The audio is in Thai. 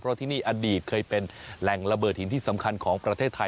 ไปดูว่าข้างในเขามีอะไรกันบ้างเพราะที่นี่อดีตเคยเป็นแหล่งระเบิดหินที่สำคัญของประเทศไทย